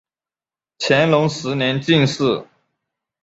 乾隆十年进士。